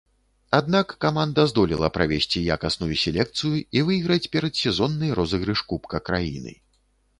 Аднак каманда здолела правесці якасную селекцыю і выйграць перадсезонны розыгрыш кубка краіны.